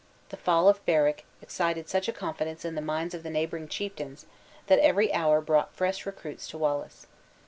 The fall of Berwick excited such a confidence in the minds of the neighboring chieftains, that every hour brought fresh recruits to Wallace.